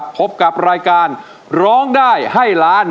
พบกับรายการร้องได้ให้ล้าน